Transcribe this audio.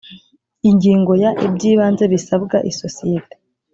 ingingo ya iby ibanze bisabwa isosiyete